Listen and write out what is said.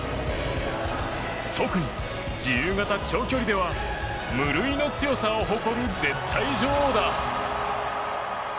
特に自由形長距離では無類の強さを誇る絶対女王だ。